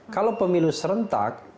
kalau pemilu serentak